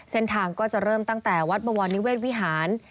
เส้นทางก็จะเริ่มตั้งแต่วัดบวรนิเวศวิหาร